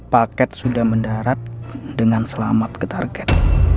paket sudah mendarat dengan selamat ke target